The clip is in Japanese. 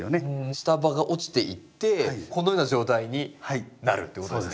下葉が落ちていってこのような状態になるってことですね。